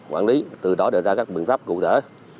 quản lý từ đó đề ra các biện pháp cụ thể